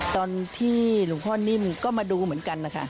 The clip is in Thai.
ตอนที่หลวงพ่อนิ่มก็มาดูเหมือนกันนะคะ